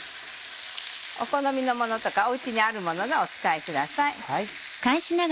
お好みのものとかお家にあるものをお使いください。